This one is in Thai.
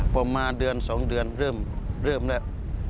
พอมาเดือนสองเดือนเริ่มแล้ว